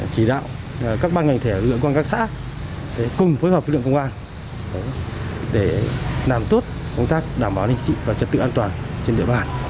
chỉ đạo các ban ngành thể lực lượng quan các xã cùng phối hợp với lực lượng công an để làm tốt công tác đảm bảo an ninh sự và trật tự an toàn trên địa bàn